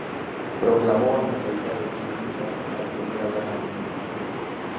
Proclamou a neutralidade de Suíza na Primeira Guerra Mundial.